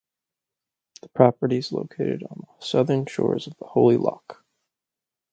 The property is located on the southern shores of the Holy Loch.